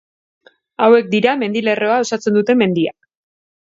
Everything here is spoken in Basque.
Hauek dira mendilerroa osatzen duten mendiak.